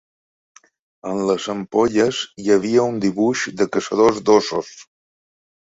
En les ampolles hi havia un dibuix de caçadors d'óssos.